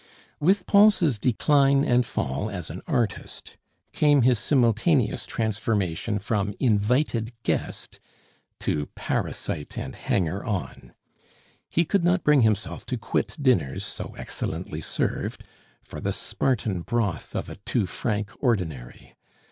With Pons' decline and fall as an artist came his simultaneous transformation from invited guest to parasite and hanger on; he could not bring himself to quit dinners so excellently served for the Spartan broth of a two franc ordinary.